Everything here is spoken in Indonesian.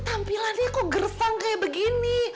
tampilannya kok gersang kayak begini